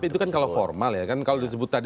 itu kan kalau formal ya kan kalau disebut tadi